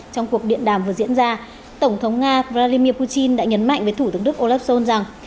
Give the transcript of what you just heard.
trong cuộc điện đàm vừa diễn ra tổng thống nga vladimir putin đã nhấn mạnh với thủ tướng đức olaf scholz rằng